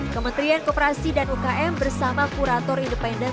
kementerian kooperasi dan ukm bersama kurator independen